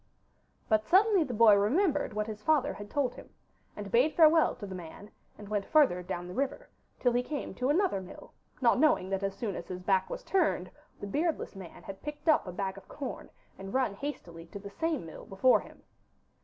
But suddenly the boy remembered what his father had told him, and bade farewell to the man, and went further down the river, till he came to another mill, not knowing that as soon as his back was turned the beardless man had picked up a bag of corn and run hastily to the same mill before him.